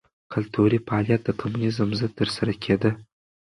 کلتوري فعالیت د کمونېزم ضد ترسره کېده.